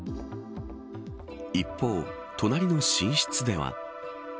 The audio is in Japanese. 一方隣の寝室では。